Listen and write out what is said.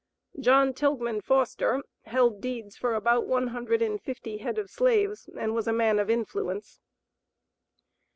John Tilghman Foster held deeds for about one hundred and fifty head of slaves, and was a man of influence.